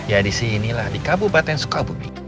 ya di sini lah di kabupaten sukabumi